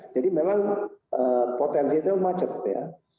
jadi memang potensi itu macet ya